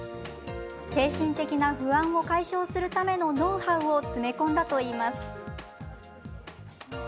精神的な不安を解消するためのノウハウを詰め込んだといいます。